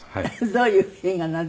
どういう映画なの？